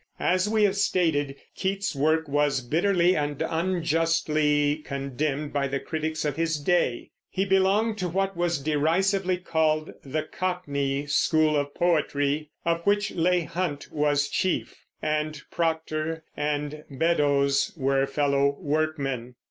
As we have stated, Keats's work was bitterly and unjustly condemned by the critics of his day. He belonged to what was derisively called the cockney school of poetry, of which Leigh Hunt was chief, and Proctor and Beddoes were fellow workmen.